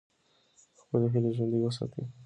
خپلې هیلې ژوندۍ وساتئ.